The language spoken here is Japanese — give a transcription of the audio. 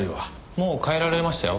もう帰られましたよ。